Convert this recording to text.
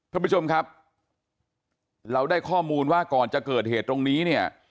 ท่านผู้ชมครับเราได้ข้อมูลว่าก่อนจะเกิดเหตุตรงนี้เนี่ย